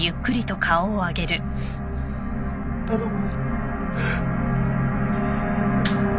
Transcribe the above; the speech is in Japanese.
頼む。